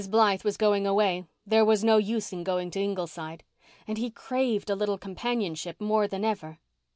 Blythe was going away—there was no use in going to Ingleside. And he craved a little companionship more than ever.